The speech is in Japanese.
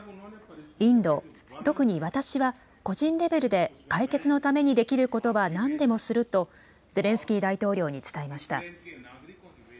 インド、特に私は個人レベルで解決のためにできることはなんでもするとゼレンスキー大統領に伝えました。